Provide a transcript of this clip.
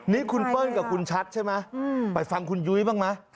นี่คุณเปิ้ลกับคุณชัดใช่ไหมไปฟังคุณยุ้ยบ้างไหม